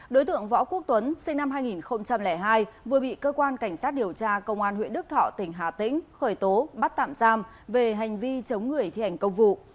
đối tượng võ quốc tuấn sinh năm hai nghìn hai vừa bị cơ quan cảnh sát điều tra công an huyện đức thọ tỉnh hà tĩnh khởi tố bắt tạm giam về hành vi chống người thi hành công vụ